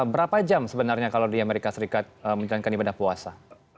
berapa jam sebenarnya kalau di amerika serikat menjalankan ibadah puasa